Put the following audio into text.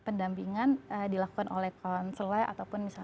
pendampingan dilakukan oleh konselor ataupun psikolog